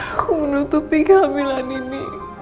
aku menutupi kehamilan ini